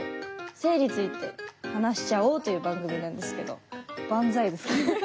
性について話しちゃおうという番組なんですけど万歳ですか？